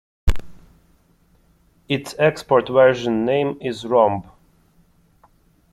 Its export version name is Romb.